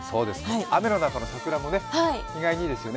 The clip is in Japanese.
雨の中の桜も意外にいいですよね。